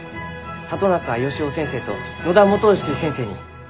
里中芳生先生と野田基善先生に。